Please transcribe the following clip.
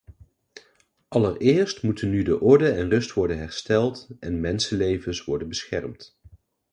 Allereerst moeten nu de orde en rust worden hersteld en mensenlevens worden beschermd.